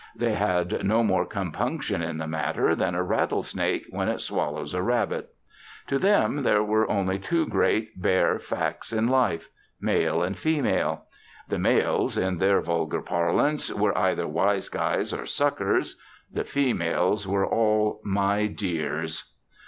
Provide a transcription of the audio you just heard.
They had no more compunction in the matter than a rattlesnake when it swallows a rabbit. To them, there were only two great, bare facts in life male and female. The males, in their vulgar parlance, were either "wise guys" or "suckers"! The females were all "my dears."